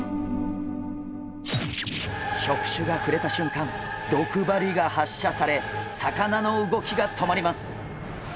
触手が触れたしゅんかん毒針が発射され魚の動きが止まります。